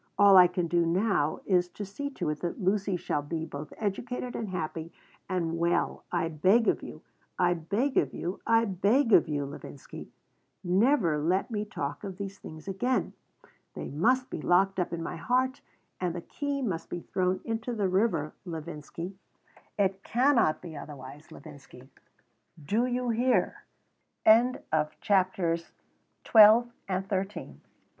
All I can do now is to see to it that Lucy shall be both educated and happy, and, well, I beg of you, I beg of you, I beg of you, Levinsky, never let me talk of these things again. They must be locked up in my heart and the key must be thrown into the river, Levinsky. It cannot be otherwise, Levinsky. Do you hear?" CHAPTER XIV THE situation could not last.